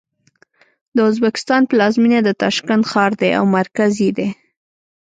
د ازبکستان پلازمېنه د تاشکند ښار دی او مرکز یې دی.